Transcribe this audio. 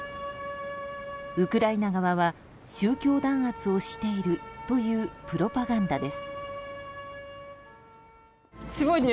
ウクライナ側は宗教弾圧をしているというプロパガンダです。